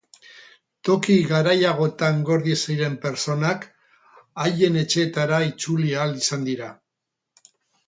Toki garaiagoetan gorde ziren pertsonak haien etxeetara itzuli ahal izan dira.